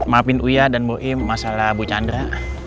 maafin uya dan bu im masalah bu chandra